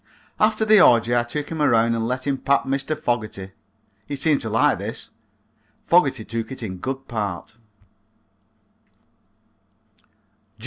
After the orgy I took him around and let him pat Mr. Fogerty. He seemed to like this. Fogerty took it in good part.